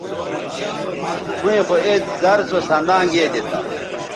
ھویں خو اے زر سو سنداں گیدے تھا